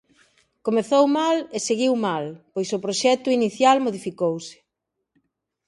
Comezou mal e seguiu mal, pois o proxecto inicial modificouse.